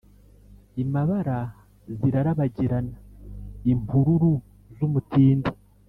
I Mabara zirarabagirana.-Impururu z'umutindi.